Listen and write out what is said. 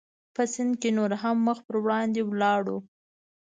په سیند کې نور هم مخ پر وړاندې ولاړو.